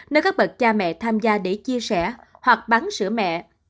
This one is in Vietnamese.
nơi các bậc cha mẹ tham gia để chia sẻ hoặc bắn sữa mẹ